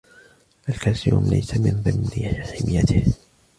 الكالسيوم ليس من ضمن حميته.